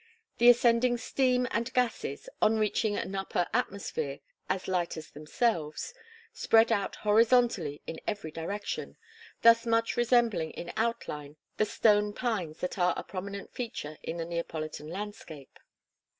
The ascending steam and gases, on reaching an upper atmosphere as light as themselves, spread out horizontally in every direction, thus much resembling in outline the stone pines that are a prominent feature in the Neapolitan landscape.